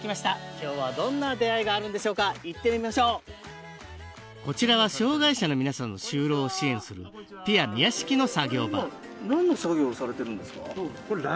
今日はどんな出会いがあるんでしょうか行ってみましょうこちらは障害者の皆さんの就労を支援するピア宮敷の作業場何の作業をされてるんですか？